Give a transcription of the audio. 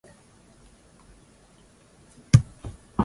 za nchi nyingi zimedhibiti au hata kupiga marufuku utumiaji wa madawa